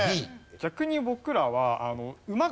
逆に僕らは。